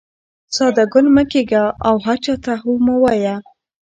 ساده ګل مه کېږه او هر چا ته هو مه وایه.